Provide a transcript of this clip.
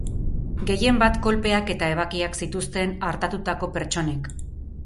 Gehienbat kolpeak eta ebakiak zituzten artatutako pertsonek.